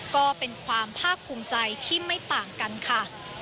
ก็เป็นความภาคภูมิใจที่ไม่ต่างกันค่ะ